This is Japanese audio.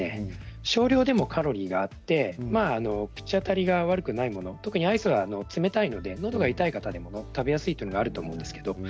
少量でもカロリーがあって口当たりが悪くない特にアイスは冷たいので、のどが痛い方も食べやすいと思います。